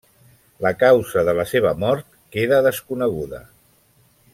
La causa de la seva mort queda desconeguda.